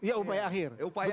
iya upaya akhir